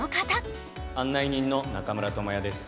案内人の中村倫也です。